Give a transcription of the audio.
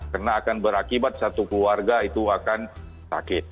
karena akan berakibat satu keluarga itu akan sakit